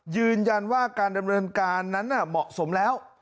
ยืนยันว่าการดำเนินการนั้นเหมาะสมแล้ว